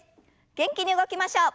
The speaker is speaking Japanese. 元気に動きましょう。